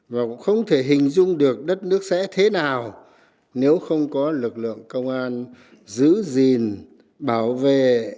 và cũng không thể hình dung được đất nước sẽ thế nào nếu không có lực lượng công an giữ gìn bảo vệ